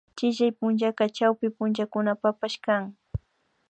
Chillay punllaka chawpi punchakunapapash kan